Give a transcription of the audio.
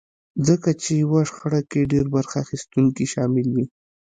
ځکه چې يوه شخړه کې ډېر برخه اخيستونکي شامل وي.